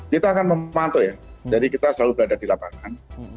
kita akan memantau ya jadi kita selalu berada di lapangan